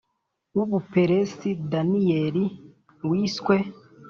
W u buperesi daniyeli wiswe